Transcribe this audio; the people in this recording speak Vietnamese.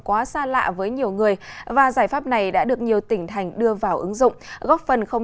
quá xa lạ với nhiều người và giải pháp này đã được nhiều tỉnh thành đưa vào ứng dụng góp phần không